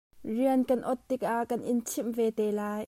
Rian kan ot tikah kan in chimh ve te lai.